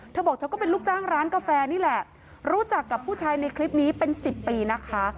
เธอบอกเธอก็เป็นลูกจ้างร้านกาแฟนี่แหละรู้จักกับผู้ชายในคลิปนี้เป็นสิบปีนะคะ